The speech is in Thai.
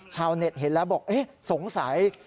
ชาวเน็ตเห็นแล้วบอกเอ๊ะสงสัย